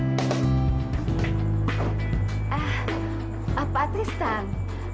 eh pak patristan